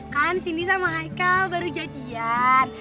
kan cindy sama ichael baru jadian